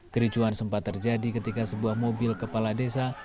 kericuan sempat terjadi ketika sebuah mobil kepala desa